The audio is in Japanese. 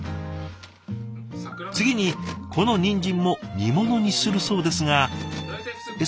次にこのニンジンも煮物にするそうですがえっ